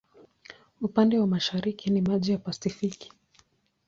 Upande wa mashariki ni maji ya Pasifiki.